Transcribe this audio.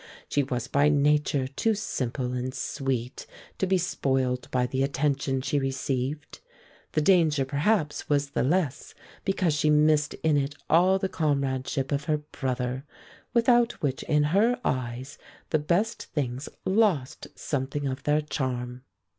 She was by nature too simple and sweet to be spoiled by the attention she received; the danger perhaps was the less because she missed in it all the comradeship of her brother, without which in her eyes the best things lost something of their charm.